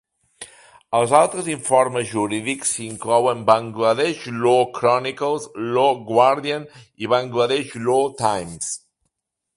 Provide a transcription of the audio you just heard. Als altres informes jurídics s"inclouen Bangladesh Law Chronicles, Law Guardian i Bangladesh Law Times.